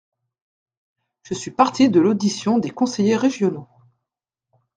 Je suis parti de l’audition des conseillers régionaux.